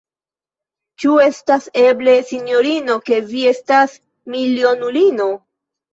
Ĉu estas eble, sinjorino, ke vi estas milionulino?